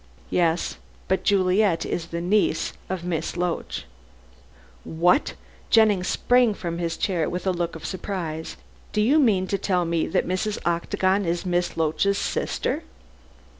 "Yes. But Juliet is the niece of Miss Loach." "What!" Jennings sprang from his chair with a look of surprise; "do you mean to tell me that Mrs. Octagon is Miss Loach's sister."